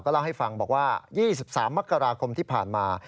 เล่าให้ฟังบอกว่า๒๓มกราคมที่ผ่านมา